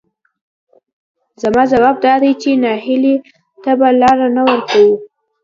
زما ځواب دادی چې نهیلۍ ته به لار نه ورکوو،